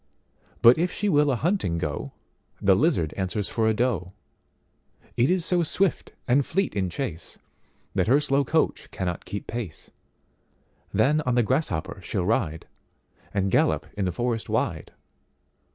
But if she will a hunting go, The lizard answers for a doe; It is so swift and fleet in chase, That her slow coach cannot keep pace; Then on the grasshopper she'll rideAnd gallop in the forest wide.